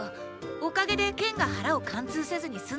おかげで剣が腹を貫通せずにすんだんです。